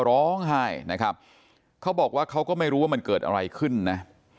ร้องไห้นะครับเขาบอกว่าเขาก็ไม่รู้ว่ามันเกิดอะไรขึ้นนะ